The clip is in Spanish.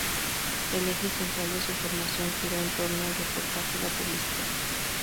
El eje central de su formación giró en torno al reportaje y la publicidad.